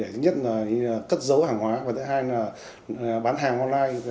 thứ nhất là cất dấu hàng hóa và thứ hai là bán hàng online